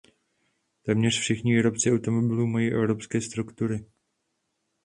Téměř všichni výrobci automobilů mají evropské struktury.